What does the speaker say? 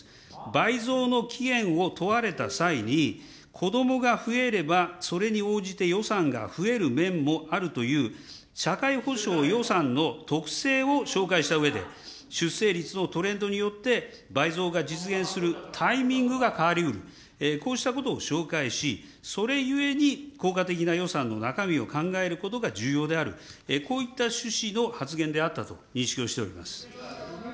倍増のきげんを問われた際に、子どもが増えれば、それに応じて予算が増える面もあるという、社会保障予算の特性を紹介したうえで、出生率のトレンドによって倍増が実現するタイミングが変わりうる、こうしたことを紹介し、それゆえに、効果的な予算の中身を考えることが重要である、こういった趣旨の発言であったと認識をしております。